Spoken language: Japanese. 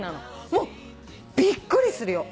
もうびっくりするよ。